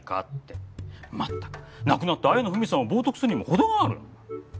まったく亡くなった綾野文さんを冒涜するにも程がある！